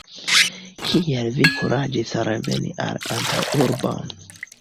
Kiel vi kuraĝis reveni la antaŭurbon?